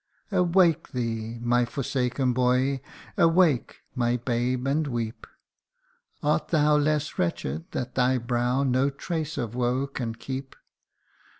' Awake thee, my forsaken boy ! awake, my babe, and weep; Art thou less wretched that thy brow no trace of woe can keep?